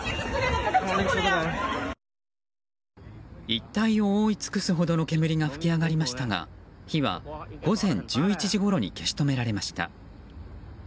一帯を覆い尽くすほどの煙が噴き上がりましたが火は午前１１時ごろに消し止められました。